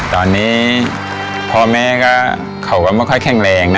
ตอนนี้พ่อแม่ก็เขาก็ไม่ค่อยแข็งแรงนะ